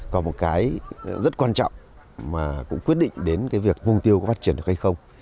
còn một cái rất quan trọng mà cũng quyết định đến việc vùng tiêu có phát triển được hay không